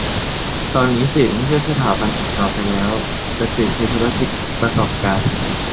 ตอนนี้สื่อไม่ใช่สถาบันอีกต่อไปแล้ว แต่สื่อคือธุรกิจประกอบการ